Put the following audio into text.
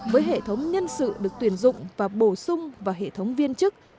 với hệ thống nhân sự được tuyển dụng và bổ sung vào hệ thống viên chức